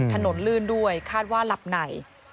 ถนนลื่นด้วยคาดว่าหลับใน